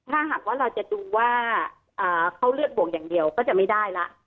ถ้าหากว่าเราจะดูว่าเขาเลือดบวกอย่างเดียวก็จะไม่ได้ละ